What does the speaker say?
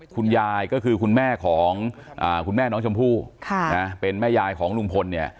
คุณยายก็คือคุณแม่ของคุณแม่น้องชมพู่เป็นแม่ยายของลุงพลเนี่ย